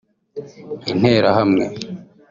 Interahamwe